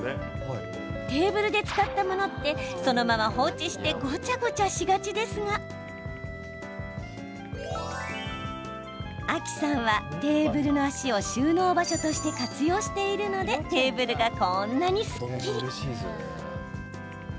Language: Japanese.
テーブルで使ったものってそのまま放置してごちゃごちゃしがちですがａｋｉさんはテーブルの脚を収納場所として活用しているのでテーブルが、こんなにすっきり。